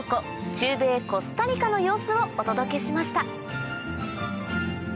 中米コスタリカの様子をお届けしました